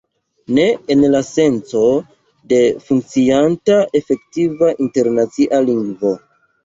Ne en la senco de funkcianta, efektiva internacia lingvo.